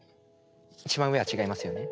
一番上は違いますよね？